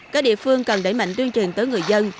các địa phương cần đẩy mạnh tuyên truyền tới người dân